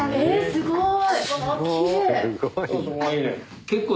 すごい。